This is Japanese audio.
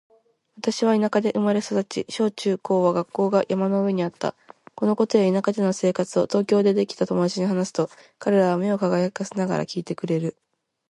私は田舎で生まれ育ち、小・中・高は学校が山の上にあった。このことや田舎での生活を東京でできた友達に話すと、彼らは目を輝かせながら聞いてくれる。